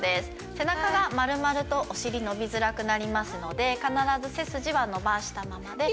背中が丸まるとお尻伸びづらくなりますので必ず背筋は伸ばしたままでほんの少しでいいので。